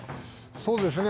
そうですね。